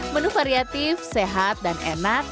menu variatif sehat dan enak